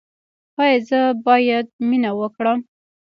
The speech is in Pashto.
ایا زه باید مینه وکړم؟